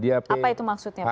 apa itu maksudnya pak